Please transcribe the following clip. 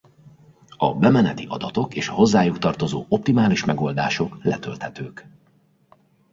A bemeneti adatok és a hozzájuk tartozó optimális megoldások letölthetők.